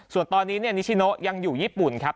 ส่วนตอนนี้นิชิโนยังอยู่ญี่ปุ่นครับ